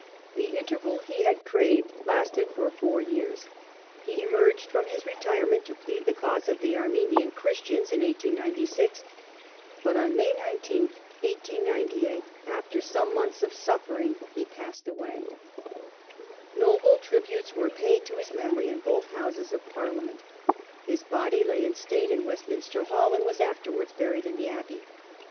The interval he had craved lasted for fom* years. He emerged from his retirement to plead the cause of the Armenian Christians in 1896, but on May 19th, 1898, after some months of suffering, he passed away. Death of Noble tributes were paid to his memory in both Houses of Gladstone Parliament, his body lay in state in Westminster Hall, and was afterwards buried in the Abbey.